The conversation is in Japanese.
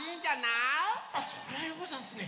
あっそりゃよござんすね。